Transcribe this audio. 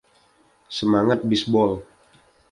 Semangat Bisbol.